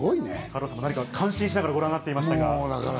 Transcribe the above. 加藤さん、感心しながらご覧なっていましたが。